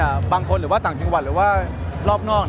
พอสมควรครับบางคนหรือว่าต่างจังหวัดหรือว่ารอบนอก